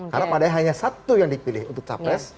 karena padahal hanya satu yang dipilih untuk capres